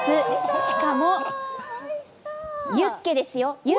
しかもユッケですよ。